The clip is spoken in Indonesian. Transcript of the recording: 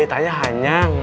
eh tanya hanyang